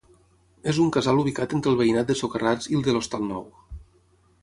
És un casal ubicat entre el veïnat de Socarrats i el de l'Hostal Nou.